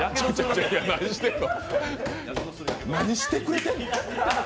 何してくれてんの。